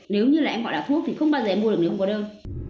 nếu như là em gọi là thuốc thì không bao giờ mua được nếu không có đơn